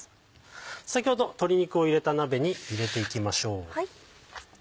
先ほど鶏肉を入れた鍋に入れていきましょう。